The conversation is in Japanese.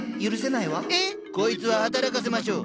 こいつは働かせましょう！